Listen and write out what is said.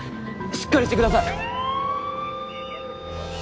しっかりしてください。